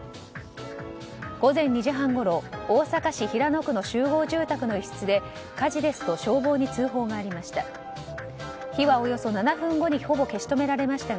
午前２時半ごろ、大阪市平野区の集合住宅の一室で火事ですと消防に通報がありました。